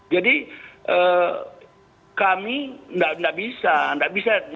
jadi kami tidak bisa